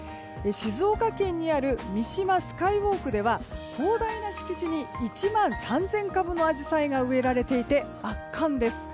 静岡県にある三島スカイウォークでは広大な敷地に１万３０００株のアジサイが植えられていて圧巻です。